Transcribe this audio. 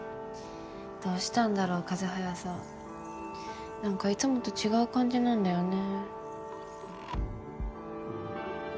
どうしたんだろう風早さん。何かいつもと違う感じなんだよね。